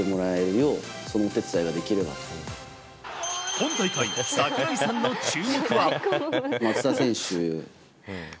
今大会、櫻井さんの注目は。